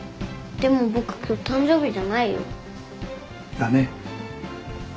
でも僕今日誕生日じゃないよ。だね。